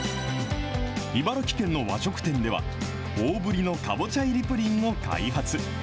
茨城県の和食店では、大ぶりのカボチャ入りプリンを開発。